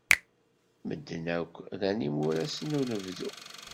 Medden akk ran imuras n unebdu.